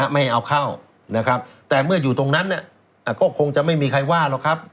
ไม่ให้เอาเข้านะครับแต่เมื่ออยู่ตรงนั้นก็คงจะไม่มีใครว่าหรอกครับ